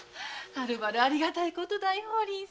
はるばるありがたいことだよ。